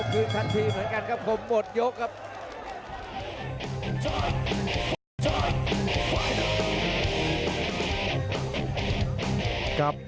คืนธรรมดีเหมือนกันครับครับหมดยกครับ